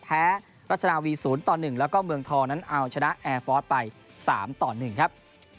รัชนาวี๐ต่อ๑แล้วก็เมืองทองนั้นเอาชนะแอร์ฟอร์สไป๓ต่อ๑ครับ